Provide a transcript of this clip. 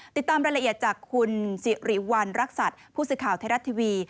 ติดตามรายละเอียดจากคุณสิริวัณรักษัตริย์ผู้สื่อข่าวไทยรัฐทีวี